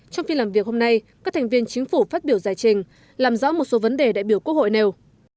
trong phiên làm việc hôm nay các thành viên chính phủ phát biểu giải trình làm rõ một số vấn đề đại biểu quốc hội nêu